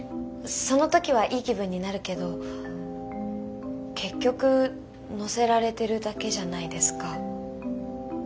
その時はいい気分になるけど結局乗せられてるだけじゃないですか。